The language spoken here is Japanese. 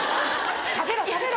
食べろ食べろ！